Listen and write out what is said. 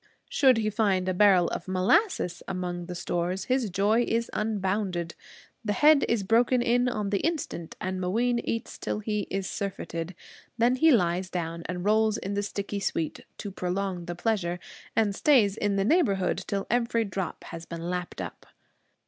Should he find a barrel of molasses among the stores, his joy is unbounded. The head is broken in on the instant and Mooween eats till he is surfeited. Then he lies down and rolls in the sticky sweet, to prolong the pleasure; and stays in the neighborhood till every drop has been lapped up.